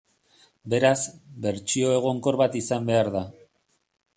Beraz, bertsio egonkor bat izan behar da.